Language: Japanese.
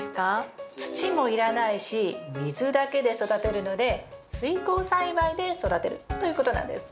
土もいらないし水だけで育てるので水耕栽培で育てる。ということなんです。